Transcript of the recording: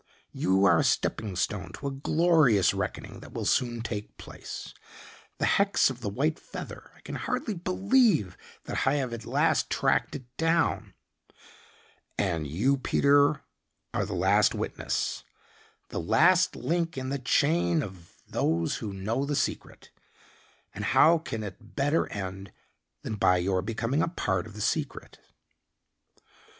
You are a stepping stone to a glorious reckoning that will soon take place. The hex of the white feather I can hardly believe that I have at last tracked it down. And you, Peter, are the last witness, the last link in the chain of those who know the secret, and how can it better end than by your becoming a part of the secret?"